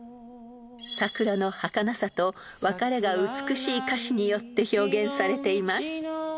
［桜のはかなさと別れが美しい歌詞によって表現されています］